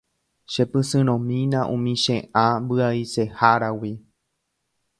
Chepysyrõmína umi che ã mbyaiseháragui.